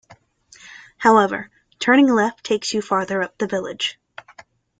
However, turning left takes you further up the village.